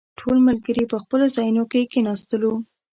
ټول ملګري په خپلو ځايونو کې کښېناستلو.